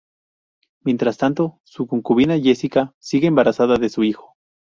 Mientras tanto, su concubina Jessica sigue embarazada de su hijo.